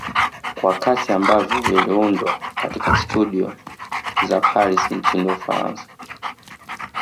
Kwa kasi ambavyo viliundwa katika studio za Paris nchini Ufaransa